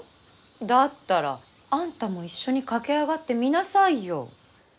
だったらあんたも一緒に駆け上がってみなさいよ。